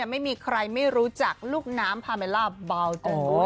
ไม่มีใครไม่รู้จักลูกน้ำพาเมล่าเบาโจ